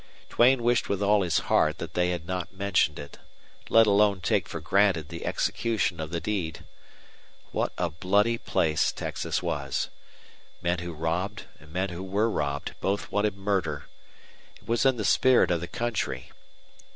Duane wished with all his heart that they had not mentioned it, let alone taken for granted the execution of the deed. What a bloody place Texas was! Men who robbed and men who were robbed both wanted murder. It was in the spirit of the country.